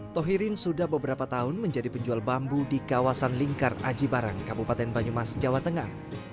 tohirin sudah beberapa tahun menjadi penjual bambu di kawasan lingkar aji barang kabupaten banyumas jawa tengah